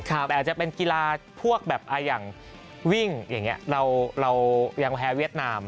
แต่อาจจะเป็นกีฬาพวกแบบอย่างวิ่งอย่างนี้เรายังแพ้เวียดนาม